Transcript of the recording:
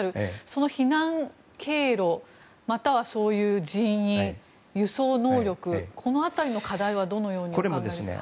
その避難経路またはそういう人員輸送能力、この辺りの課題はどのようにお考えですか？